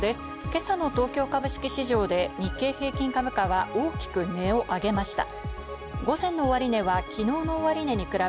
今朝の東京株式市場で日経平均株価は大きく値を上げました。